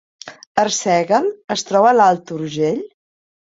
Arsèguel es troba a l’Alt Urgell